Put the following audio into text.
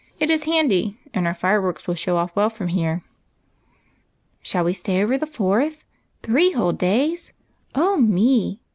It is handy, and our fire works will show off well from here." " Shall we stay over the Fourth ? Three whole days ! Oh, me !